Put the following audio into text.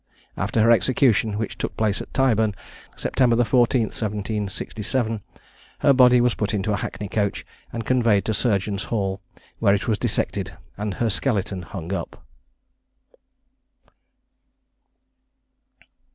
After her execution, which took place at Tyburn, September the 14th, 1767, her body was put into a hackney coach, and conveyed to Surgeons' Hall, where it was dissected, and her skeleton hung up.